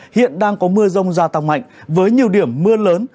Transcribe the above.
hiện đang có mưa rông gia tăng mạnh với nhiều điểm mưa lớn